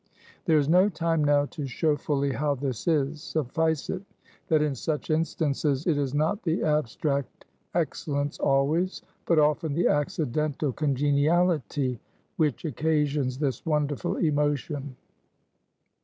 There is no time now to show fully how this is; suffice it, that in such instances, it is not the abstract excellence always, but often the accidental congeniality, which occasions this wonderful emotion.